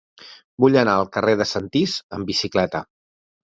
Vull anar al carrer de Sentís amb bicicleta.